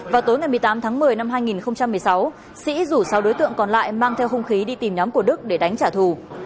vào tối ngày một mươi tám tháng một mươi năm hai nghìn một mươi sáu sĩ rủ sáu đối tượng còn lại mang theo hung khí đi tìm nhóm của đức để đánh trả thù